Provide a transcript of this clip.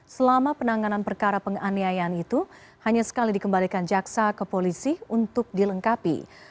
selama penanganan perkara penganiayaan itu hanya sekali dikembalikan jaksa ke polisi untuk dilengkapi